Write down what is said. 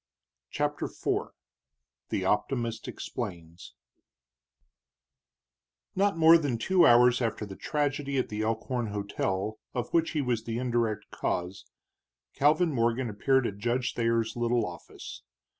CHAPTER IV THE OPTIMIST EXPLAINS Not more than two hours after the tragedy at the Elkhorn hotel, of which he was the indirect cause, Calvin Morgan appeared at Judge Thayer's little office.